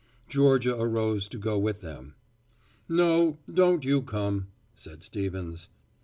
Georgia arose to go with them. "No, don't you come," said Stevens.